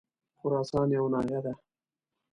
خراسان یوه ناحیه ده.